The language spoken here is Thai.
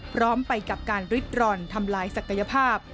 พร้อมไปกับการริดร่อนทำลายศักยภาพ